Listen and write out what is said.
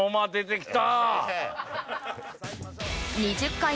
きた！